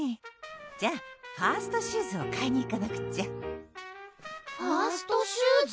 じゃあファーストシューズを買いに行かなくちゃファーストシューズ？